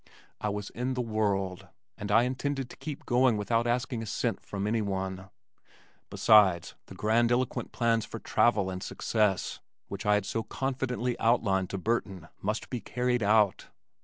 I was in the world and I intended to keep going without asking a cent from anyone. Besides, the grandiloquent plans for travel and success which I had so confidently outlined to Burton must be carried out.